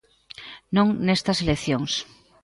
Non nestas eleccións.